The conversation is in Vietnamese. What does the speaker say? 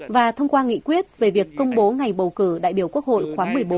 và thông qua nghị quyết về việc công bố ngày bầu cử đại biểu quốc hội khóa một mươi bốn